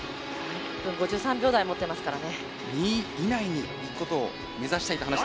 ５３秒台を持ってますからね。